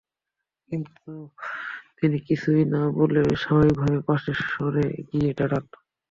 কিন্তু তিনি কিছুই না বলে স্বাভাবিকভাবে পাশে সরে গিয়ে দাঁড়ান।